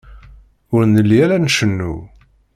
Ur nelli ara ncennu.